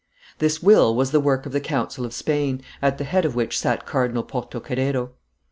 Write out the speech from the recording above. This will was the work of the council of Spain, at the head of which sat Cardinal Porto Carrero.